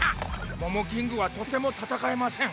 モモキングはとても戦えません。